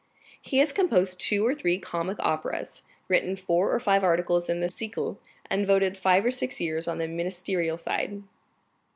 "He has composed two or three comic operas, written four or five articles in the Siècle, and voted five or six years on the ministerial side."